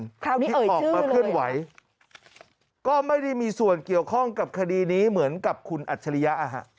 คราวนี้ออกมาเคลื่อนไหวก็ไม่ได้มีส่วนเกี่ยวข้องกับคดีนี้เหมือนกับคุณอัจฉริยะ